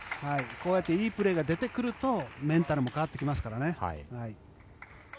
こうやっていいプレーが出てくるとメンタルも変わってきますからね。